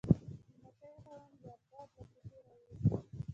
د مکۍ خاوند زرداد له کوټې راووت.